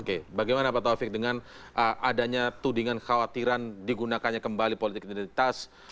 oke bagaimana pak taufik dengan adanya tudingan khawatiran digunakannya kembali politik identitas